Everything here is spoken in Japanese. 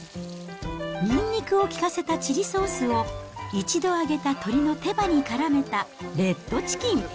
にんにくを利かせたチリソースを１度揚げた鶏の手羽にからめた、レッドチキン。